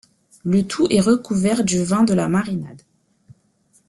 Le tout est recouvert du vin de la marinade.